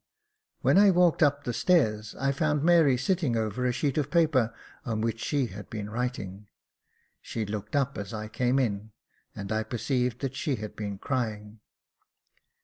When I walked up the stairs I found Mary sitting over a sheet of paper, on which she had been writing. She looked up as I came in, and I perceived that she had been crying.